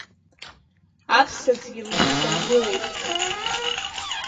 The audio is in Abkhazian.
Аԥсаӡгьы лызсыргылеит.